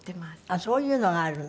あっそういうのがあるの？